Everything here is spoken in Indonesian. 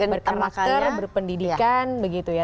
berkarakter berpendidikan begitu ya